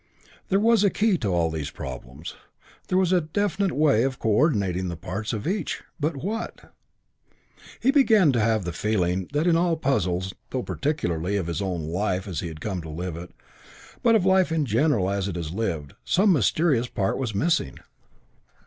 There was a key to all these problems. There was a definite way of coördinating the parts of each. But what? He began to have the feeling that in all the puzzles, not only, though particularly, of his own life as he had come to live it, but of life in general as it is lived, some mysterious part was missing.